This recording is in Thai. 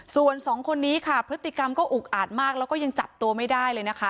ส่วนสองคนนี้ค่ะพฤติกรรมก็อุกอาดมากแล้วก็ยังจับตัวไม่ได้เลยนะคะ